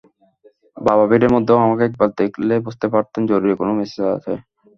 বাবা ভিড়ের মধ্যেও আমাকে একবার দেখলেই বুঝতে পারতেন জরুরি কোনো মেসেজ আছে।